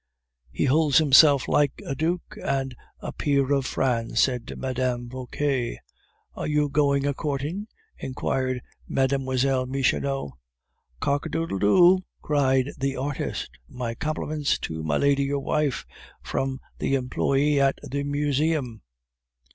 "He holds himself like a duke and a peer of France," said Mme. Vauquer. "Are you going a courting?" inquired Mlle. Michonneau. "Cock a doodle doo!" cried the artist. "My compliments to my lady your wife," from the employe at the Museum.